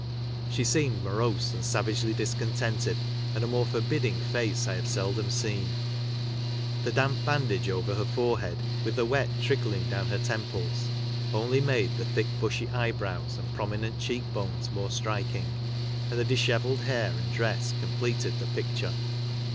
She seemed morose and savagely discontented, and a more forbidding tace I have seldom seen. The damp bandage over her forehead, with the wet trickling down her temples, only made the thick bushy eyebrows and prominent cheek bones more striking, and the dishevelled hair and dress completed the picture.